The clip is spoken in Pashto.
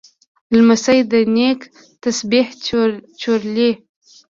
لمسی د نیکه تسبیح چورلي.